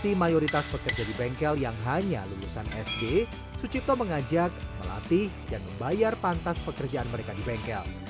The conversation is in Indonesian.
di mayoritas pekerja di bengkel yang hanya lulusan sd sucipto mengajak melatih dan membayar pantas pekerjaan mereka di bengkel